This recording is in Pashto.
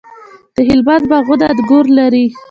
د هلمند باغونه انګور لري.